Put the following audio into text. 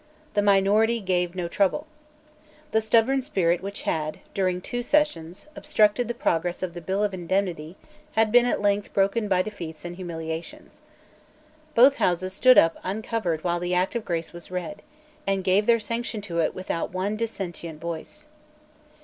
The minority gave no trouble. The stubborn spirit which had, during two sessions, obstructed the progress of the Bill of Indemnity had been at length broken by defeats and humiliations. Both Houses stood up uncovered while the Act of Grace was read, and gave their sanction to it without one dissentient voice.